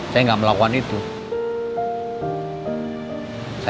terkena libaran suara di wajah